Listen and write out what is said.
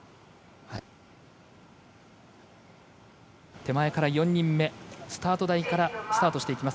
手前から４人目スタート台からスタートしていきます